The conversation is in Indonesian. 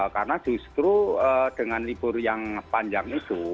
karena justru dengan libur yang panjang itu